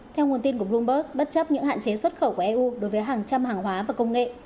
theo nguồn tin của bloomberg bất chấp những hạn chế xuất khẩu của eu đối với hàng trăm hàng hóa và công nghệ